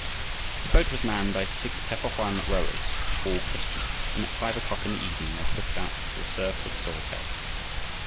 The boat was manned by six Pe po hoan rowers, all Christians, and at five o'clock in the evening they pushed out into the surf of So Bay.